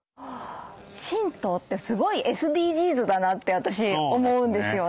神道ってすごいＳＤＧｓだなって私思うんですよね。